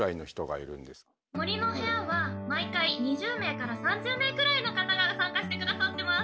「もりのへや」は毎回２０名から３０名くらいの方が参加してくださっています。